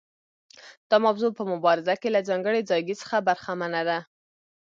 دا موضوع په مبارزه کې له ځانګړي ځایګي څخه برخمنه ده.